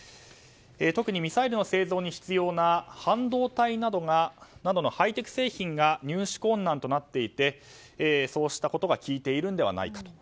特にミサイルの製造に必要な半導体などのハイテク製品が入手困難となっていてそうしたことが効いているのではないかと。